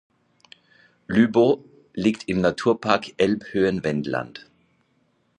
Lübbow liegt im Naturpark Elbhöhen-Wendland.